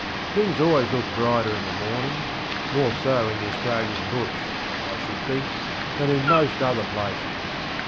Things always look brighter in the morningŌĆömore so in the Australian Bush, I should think, than in most other places.